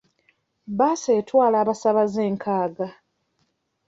Bbaasi etwala abasaabaze nkaaga.